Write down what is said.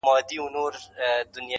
• موږه كرلي دي اشنا دشاعر پښو ته زړونه.